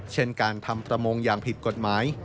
เช่นการทำประมงอย่างผิดกฎหมาย